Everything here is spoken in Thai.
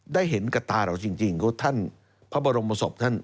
ได้เห็นกับตาเราจริงเพราะท่านพระบรมศพท่าน